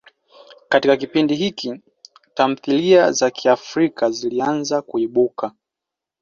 Katika kipindi hiki, tamthilia za Kiafrika zilianza kuibuka.